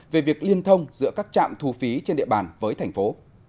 về việc liên thông giữa các trạm thu phí trên địa bàn với thành phố